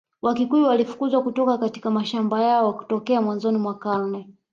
Wakikuyu walifukuzwa kutoka katika mashamba yao tokea mwanzoni mwa karne